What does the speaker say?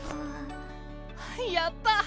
やった！